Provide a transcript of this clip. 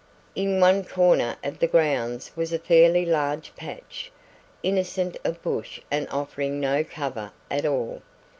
In one corner of the grounds was a fairly large patch, innocent of bush and offering no cover at all.